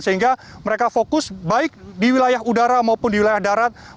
sehingga mereka fokus baik di wilayah udara maupun di wilayah darat mereka melakukan laporan